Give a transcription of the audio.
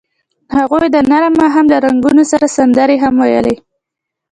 هغوی د نرم ماښام له رنګونو سره سندرې هم ویلې.